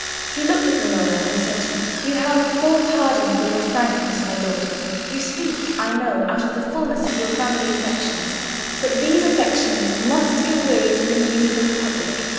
He looked at Romola, and said— "You have full pardon for your frankness, my daughter. You speak, I know, out of the fulness of your family affections. But these affections must give way to the needs of the Republic.